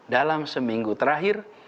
dalam seminggu terakhir